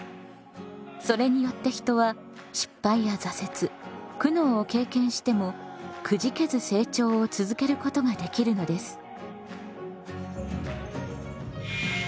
それによって人は失敗や挫折苦悩を経験してもくじけず成長を続けることができるのです。